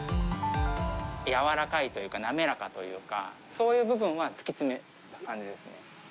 柔らかいというか滑らかというか、そういう部分は突き詰めた感じですね。